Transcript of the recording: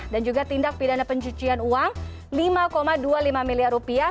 dan juga tindak pidana pencucian uang lima dua puluh lima miliar rupiah